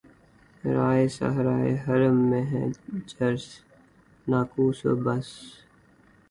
راہِ صحرائے حرم میں ہے جرس‘ ناقوس و بس